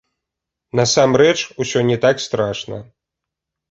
Насамрэч, усё не так страшна.